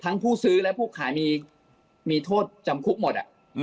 ทั้งผู้ซื้อและผู้ขายที่มีโทษจำคลุกหมด